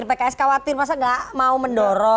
pks khawatir masa gak mau mendorong